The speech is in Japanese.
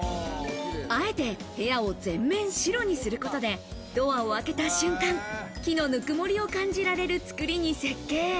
あえて部屋を全面白にすることで、ドアを開けた瞬間、木のぬくもりを感じられる作りに設計。